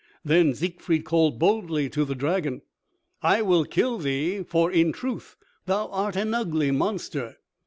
Then Siegfried called boldly to the dragon, "I will kill thee, for in truth thou art an ugly monster."